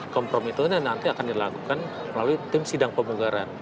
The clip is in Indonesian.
kompromi itu nanti akan dilakukan melalui tim sidang pemugaran